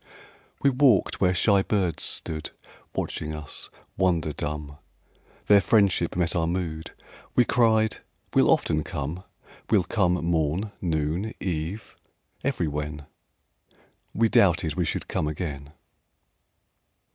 We walked where shy birds stood Watching us, wonder dumb; Their friendship met our mood; We cried: "We'll often come: We'll come morn, noon, eve, everywhen!" —We doubted we should come again.